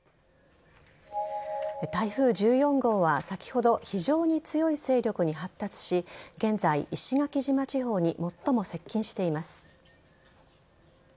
台風１４号は先ほど非常に強い勢力に発達し現在、石垣島地方に最も接近しています。